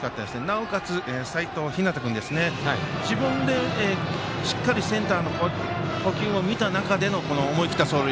なおかつ、齋藤陽君、自分でしっかりセンターの捕球を見た中での思い切った走塁。